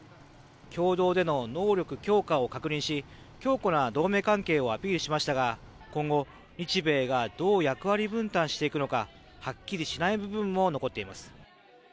共同での能力強化を確認し強固な同盟関係をアピールしましたが今後、日米がどう役割分担していくのかはっきりしない部分も残っています。